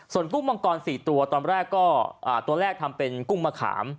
ส่วนกุ้งมังกร๔ตัวตอนแรกก็ตัวแรกทำเป็นกุ้งมะขาม